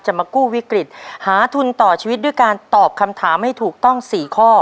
มากู้วิกฤตหาทุนต่อชีวิตด้วยการตอบคำถามให้ถูกต้อง๔ข้อ